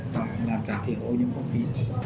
là làm trả thiện ô nhiễm không khí